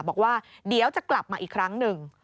บอกว่าเดี๋ยวจะกลับมาอีกครั้งหนึ่ง